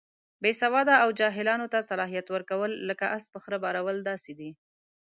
بې سواده او جاهلانو ته صلاحیت ورکول، لکه اس په خره بارول داسې دي.